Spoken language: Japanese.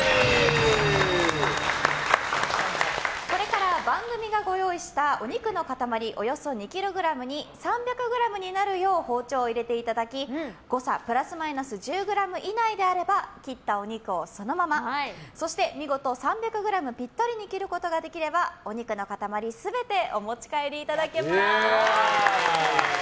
これから番組がご用意したお肉の塊およそ２ｋｇに３００ｇになるよう包丁を入れていただき誤差プラスマイナス１０ｇ以内であれば切ったお肉をそのままそして見事３００ｇぴったりに切ることができればお肉の塊全てお持ち帰りいただけます。